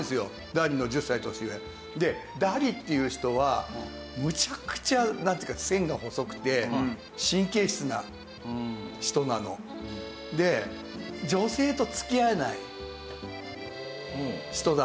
ダリの１０歳年上。でダリっていう人はむちゃくちゃなんていうか線が細くて神経質な人なの。で女性と付き合えない人だったんですよ。